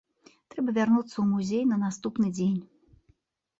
Трэба вярнуцца ў музей на наступны дзень.